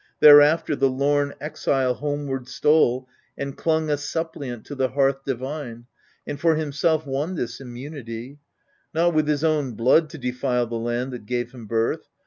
Thereafter, the lorn exile homeward stole And clung a suppliant to the hearth divine, And for himself won this immunity — Not with his own blood to defile the land That gave him birth.